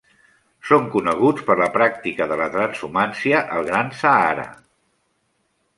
Són coneguts per la pràctica de la transhumància al gran Sàhara.